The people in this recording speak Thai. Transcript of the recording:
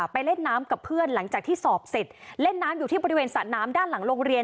ไปเล่นน้ำกับเพื่อนหลังจากที่สอบเสร็จเล่นน้ำอยู่ที่บริเวณสระน้ำด้านหลังโรงเรียน